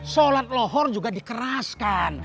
sholat lohor juga dikeraskan